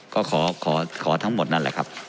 ก็ขอทั้งหมดนั่นแหละครับ